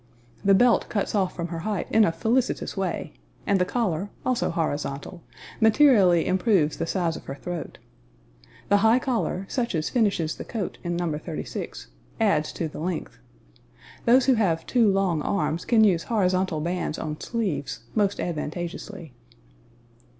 The belt cuts off from her height in a felicitous way, and the collar, also horizontal, materially improves the size of her throat. The high collar, such as finishes the coat, in No. 36, adds to the length. Those who have too long arms can use horizontal bands on sleeves most advantageously.